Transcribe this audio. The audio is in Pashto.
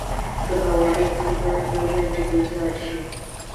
که ګاونډي ته ښیګڼه کوې، ژوند دې ګلزار شي